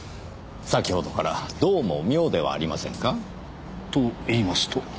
先ほどからどうも妙ではありませんか？と言いますと？